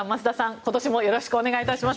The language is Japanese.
今年もよろしくお願いします。